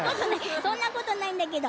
そんなことないんだけど。